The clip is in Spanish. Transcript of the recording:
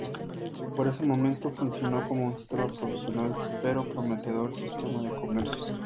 Por ese momento funcionó como un sistema provisional pero prometedor sistema de comercio.